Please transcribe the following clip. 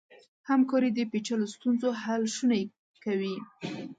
همکاري د پېچلو ستونزو حل شونی کوي.